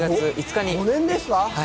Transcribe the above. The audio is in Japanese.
５年ですか！